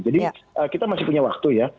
jadi kita masih punya waktu ya